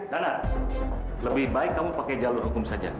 karena lebih baik kamu pakai jalur hukum saja